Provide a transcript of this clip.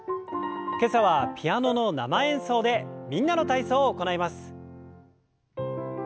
今朝はピアノの生演奏で「みんなの体操」を行います。